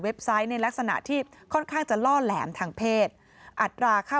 ไซต์ในลักษณะที่ค่อนข้างจะล่อแหลมทางเพศอัตราค่า